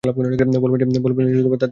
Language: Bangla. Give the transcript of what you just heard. বলবেন যে, তার ধারণা ঠিক নয়।